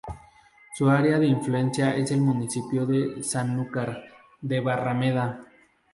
Su área de influencia es el municipio de Sanlúcar de Barrameda.